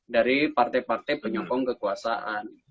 dari partai partai penyokong kekuasaan